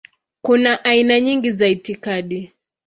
Kuna aina nyingi za itikadi.